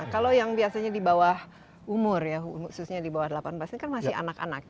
kalau yang biasanya di bawah umur ya khususnya di bawah delapan belas ini kan masih anak anak